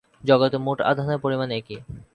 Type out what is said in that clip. জগতে মোট আধানের পরিমাণ একই।